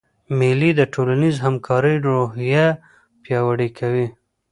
مېلې د ټولنیزي همکارۍ روحیه پیاوړې کوي.